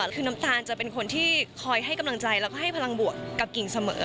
คือน้ำตาลจะเป็นคนที่คอยให้กำลังใจแล้วก็ให้พลังบวกกับกิ่งเสมอ